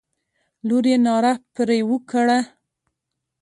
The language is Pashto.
لور یې ناره پر وکړه.